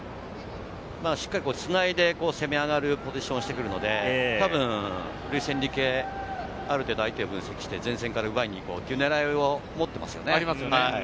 しっかり繋いで攻め上がるポジションをしてくるので、たぶんルイス・エンリケ、ある程度予測して、前線から奪いに行こうという狙いを持ってますよね。